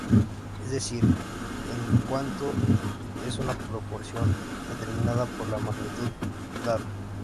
Es decir, el cuanto es una proporción determinada por la magnitud dada.